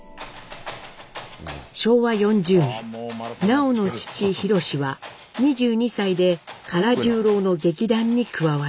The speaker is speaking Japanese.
南朋の父宏は２２歳で唐十郎の劇団に加わります。